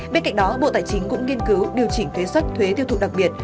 bên cạnh đó bộ tài chính cũng nghiên cứu điều chỉnh thuế xuất thuế tiêu thụ đặc biệt